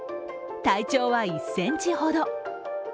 体長は１ｃｍほど。